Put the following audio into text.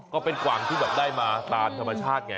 กว่างที่แบบได้มาตามธรรมชาติไง